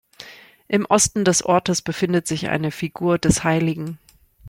Im Osten des Ortes befindet sich eine Figur des hl.